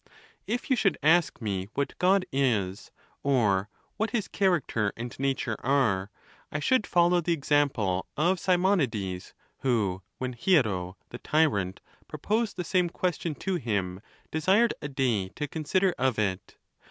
XXII. If you should ask me what God is, or what his character and nature are, I should follow the example of Simonides, who, when Hiero the tyrant proposed the same question to him, desired a day to consider of it.